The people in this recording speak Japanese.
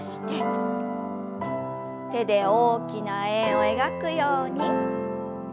手で大きな円を描くように。